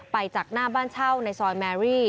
จากหน้าบ้านเช่าในซอยแมรี่